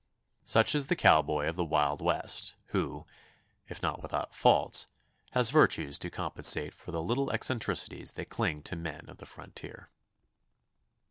Such is the cowboy of the wild West, who, if not without faults, has virtues to compensate for the little eccentricities that cling to men of the frontier.